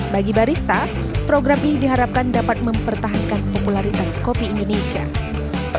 bagi barista program ini diharapkan dapat mempertahankan popularitas kopi indonesia